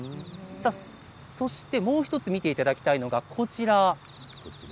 そしてもう１つ見ていただきたいのがこちらです。